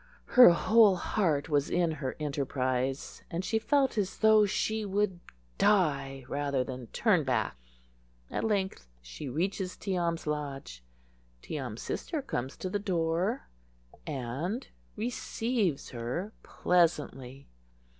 Her whole heart was in her enterprise, and she felt as though she would die rather than turn back. At length she reaches Tee am's lodge. Tee am's sister comes to the door, and receives her pleasantly.